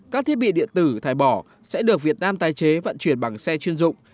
các thiết bị điện tử thải bỏ sẽ được việt nam tái chế vận chuyển bằng xe chuyên dụng